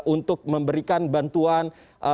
untuk memberikan bantuan